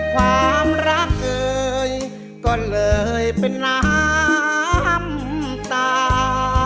ความรักเอ่ยก็เลยเป็นน้ำตา